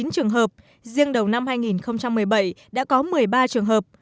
một trăm chín mươi chín trường hợp riêng đầu năm hai nghìn một mươi bảy đã có một mươi ba trường hợp